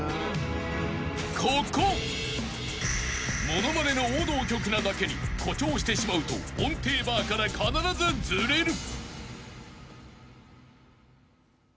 ［物まねの王道曲なだけに誇張してしまうと音程バーから必ずずれる］